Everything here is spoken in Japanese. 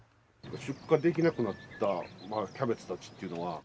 出荷できなくなったキャベツたちっていうのは？